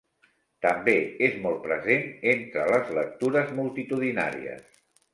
També és molt present entre les lectures multitudinàries.